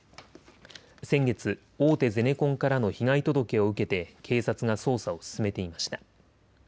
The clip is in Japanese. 先月、大手ゼネコンからの被害届を受けて警察が捜査を進めていました。